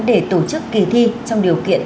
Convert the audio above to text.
để tổ chức kỳ thi trong điều kiện